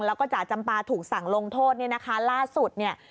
แล้วก็จ่าจำปลาถูกสั่งลงโทษนี่นะคะล่าสุด